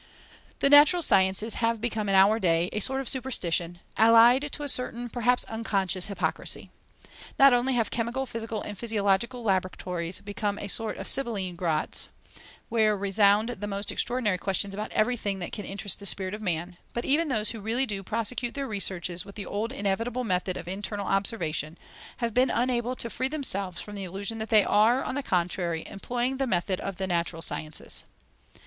The Natural Sciences have become in our day a sort of superstition, allied to a certain, perhaps unconscious, hypocrisy. Not only have chemical, physical, and physiological laboratories become a sort of Sibylline grots, where resound the most extraordinary questions about everything that can interest the spirit of man, but even those who really do prosecute their researches with the old inevitable method of internal observation, have been unable to free themselves from the illusion that they are, on the contrary, employing the method of the natural sciences.